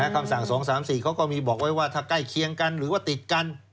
คำสั่ง๒๓๔เขาก็มีบอกไว้ว่าถ้าใกล้เคียงกันหรือว่าติดกัน